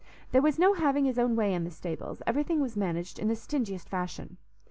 There was no having his own way in the stables; everything was managed in the stingiest fashion.